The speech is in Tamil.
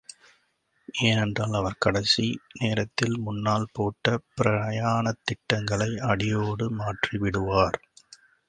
ஏனென்றால் அவர் கடைசி நேரத்தில் முன்னால் போட்ட பிராயானத் திட்டங்களை அடியோடு மாற்றி விடுவார்.